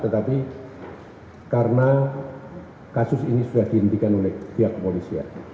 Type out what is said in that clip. tetapi karena kasus ini sudah dihentikan oleh pihak kepolisian